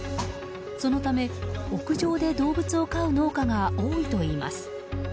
そのため、屋上で動物を飼う農家が多いといいます。